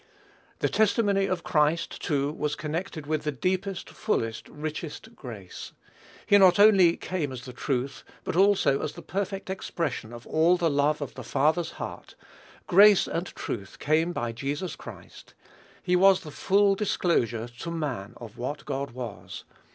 The testimony of Christ, too, was connected with the deepest, fullest, richest grace. He not only came as "the truth," but also as the perfect expression of all the love of the Father's heart; "grace and truth came by Jesus Christ." He was the full disclosure to man of what God was.